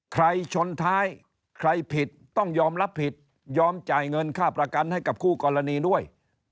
ใครชนท้ายใครผิดต้องยอมรับผิดยอมจ่ายเงินค่าประกันให้กับคู่กรณีด้วย